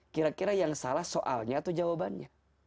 kira kira yang salah soalnya atau jawabannya